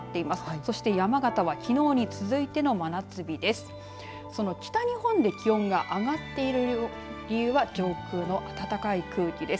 その北日本で気温が上がっている理由は上空の暖かい空気です。